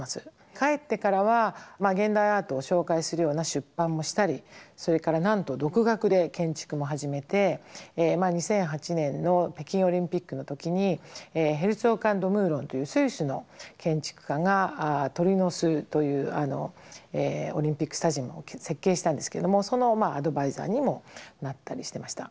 帰ってからは現代アートを紹介するような出版もしたりそれからなんと独学で建築も始めて２００８年の北京オリンピックの時にヘルツォーク＆ド・ムーロンというスイスの建築家が「鳥の巣」というオリンピックスタジアムを設計したんですけどもそのアドバイザーにもなったりしてました。